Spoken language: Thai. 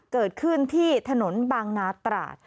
เกิดขึ้นที่ถนนบางนาตราด